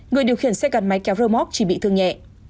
người điều khiển xe gắn máy kéo rơ móc chỉ bị thương nhẹ